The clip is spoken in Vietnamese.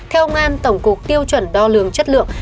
theo ông tổng cục tiêu chuẩn đo lường chất lượng